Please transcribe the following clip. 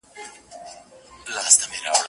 سترګي به مي ستا پر کوڅه پل د رقیب نه ویني